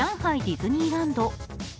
ディズニーランド。